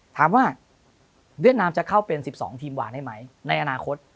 ถามว่าเวียดนามจะเข้าเป็น๑๒ทีมหวานได้ไหมในอนาคต